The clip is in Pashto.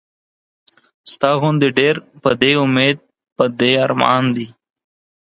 ستا غوندې ډېر پۀ دې اميد پۀ دې ارمان دي